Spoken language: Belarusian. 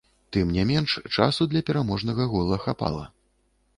Тым не менш, часу для пераможнага гола хапала.